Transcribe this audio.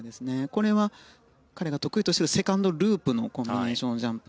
これは彼が得意としているセカンドループのコンビネーションジャンプ。